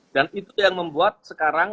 dan itu yang membuat sekarang